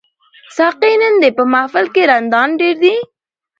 ساقي نن دي په محفل کي رندان ډیر دي